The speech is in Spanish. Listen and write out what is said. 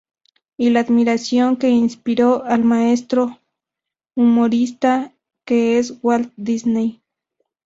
Y la admiración que inspiró al maestro humorista que es Walt Disney.